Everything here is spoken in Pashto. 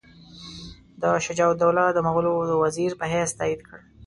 ده شجاع الدوله د مغولو د وزیر په حیث تایید کړ.